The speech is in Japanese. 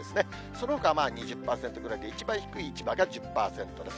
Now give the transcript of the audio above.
そのほかは２０％ぐらいで、一番低い千葉が１０％です。